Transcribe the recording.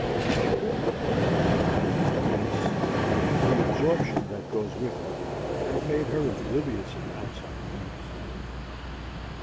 She could not place him. Happiness, and the absorption that goes with it, had made her oblivious of outside things.